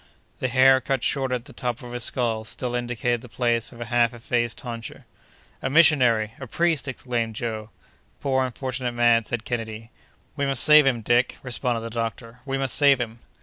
The hair, cut shorter on the top of his skull, still indicated the place of a half effaced tonsure. "A missionary! a priest!" exclaimed Joe. "Poor, unfortunate man!" said Kennedy. "We must save him, Dick!" responded the doctor; "we must save him!"